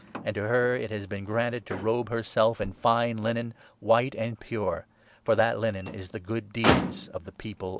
And to her it has been granted to robe 8 herself in fine linen, white and pure, for that linen is the good deeds of the People of Christ.'